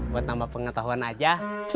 buat nambah pengetahuan aja